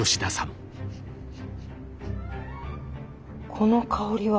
この香りは。